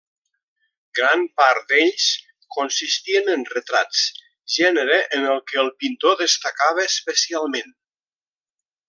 Gran part d'ells consistien en retrats, genere en el que el pintor destacava especialment.